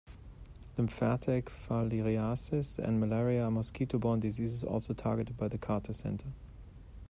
Lymphatic filariasis and malaria are mosquito-borne diseases also targeted by The Carter Center.